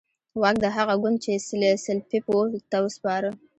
واک د هغه ګوند چې سلپيپ وو ته وسپاره.